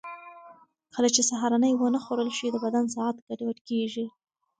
کله چې سهارنۍ ونه خورل شي، د بدن ساعت ګډوډ کېږي.